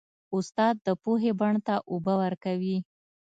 استاد د پوهې بڼ ته اوبه ورکوي.